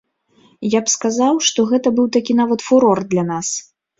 Я б сказаў, што гэта быў такі нават фурор для нас.